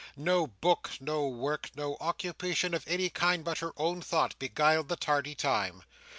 No book, no work, no occupation of any kind but her own thought, beguiled the tardy time.